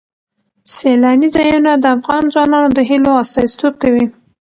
سیلانی ځایونه د افغان ځوانانو د هیلو استازیتوب کوي.